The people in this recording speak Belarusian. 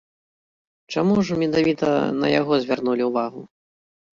Чаму ж менавіта на яго звярнулі ўвагу?